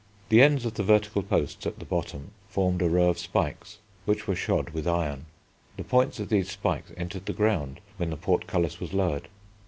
The ends of the vertical posts at the bottom formed a row of spikes which were shod with iron. The points of these spikes entered the ground when the portcullis was lowered.